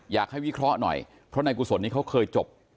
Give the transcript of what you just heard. อยากให้วิเคราะห์หน่อยเพราะนายกุศลนี้เขาเคยจบ